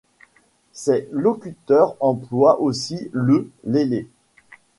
Ses locuteurs emploient aussi le lele.